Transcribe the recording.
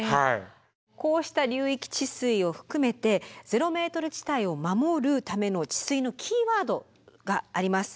こうした流域治水を含めてゼロメートル地帯を守るための治水のキーワードがあります。